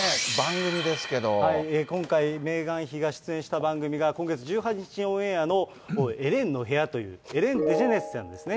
このね、今回、メーガン妃が出演した番組が、今月１８日オンエアのエレンの部屋という、エレン・デジェネレスさんですね。